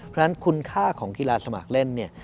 เพราะฉะนั้นคุณค่าของกีฬาสมัครเล่นเนี่ย